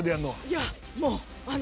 いやもうあの。